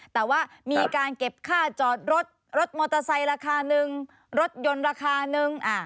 แต่ว่ามีการเก็บค่าจอดรถรถมอเตอร์ไซค์ราคาหนึ่งรถยนต์ราคานึง